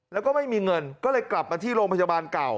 แล้วก็ไม่มีเงินก็เลยกลับมาที่โรงพยาบาลเก่า